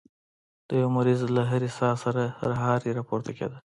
د يوه مريض له هرې ساه سره خرهار راپورته کېده.